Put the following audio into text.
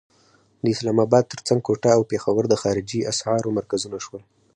د اسلام اباد تر څنګ کوټه او پېښور د خارجي اسعارو مرکزونه شول.